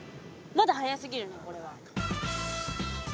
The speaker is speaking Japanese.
まだ早すぎるねこれは。